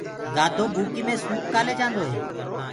گآڌو ڀوڪي مي سوڪَ ڪآلي جآنٚدوئي